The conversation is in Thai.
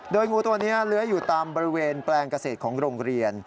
โดยงูตัวนี้เลื้อยอยู่ตามบริเวณแปลงเกษตรของโรงเรียน